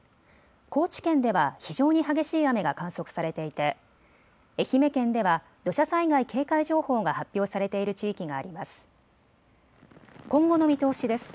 高知県では非常に激しい雨が観測されていて愛媛県では土砂災害警戒情報が発表されている地域があります。